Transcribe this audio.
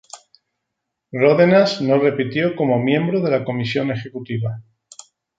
Ródenas no repitió como miembro de la Comisión Ejecutiva.